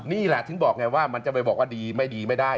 นี่แหละถึงบอกไงว่ามันจะไปบอกว่าดีไม่ดีไม่ได้